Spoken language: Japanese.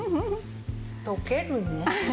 溶けるね。